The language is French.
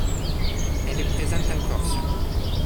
Elle est présente en Corse.